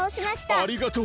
ありがとう！